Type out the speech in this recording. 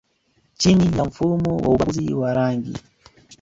chini ya mfumo wa ubaguzi wa rangi